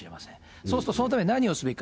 そうすると、そのために何をすべきか。